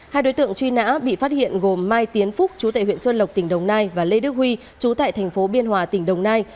hai đối tượng truy nã bị phát hiện gồm mai tiến phúc chú tại huyện xuân lộc tỉnh đồng nai và lê đức huy chú tại thành phố biên hòa tỉnh đồng nai